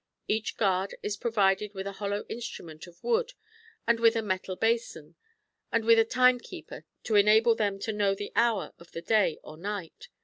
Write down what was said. [Each guard is provided with a hollow instrument of wood 148 MARCO POLO. Book II. and with a metal basin, and with a time keeper to enable them to know the hour of the day or night.